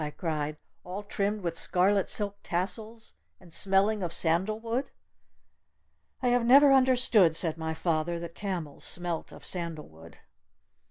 I cried. "All trimmed with scarlet silk tassels? And smelling of sandalwood?" "I have never understood," said my father, "that camels smelt of sandalwood."